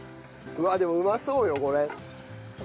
うわでもうまそうよこれ。